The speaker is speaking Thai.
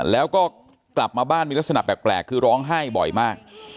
แล้วก็กลับมาบ้านมีลักษณะแปลกคือร้องไห้บ่อยมาก